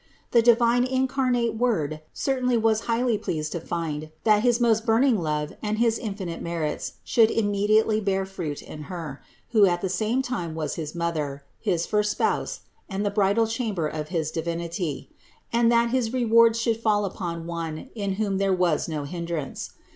The divine incarnate Word certainly was highly pleased to find, that his most burn ing love and his infinite merits should immediately bear fruit in Her, who at the same time was his Mother, his first Spouse and the bridal chamber of his Divinity; and that his rewards should fall upon One, in whom there was no hindrance.